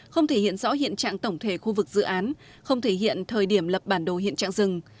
không thể hiện rõ hiện trạng tổng thể khu vực dự án không thể hiện thời điểm lập bản đồ hiện trạng rừng